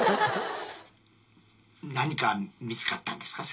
何か見つかったんですか？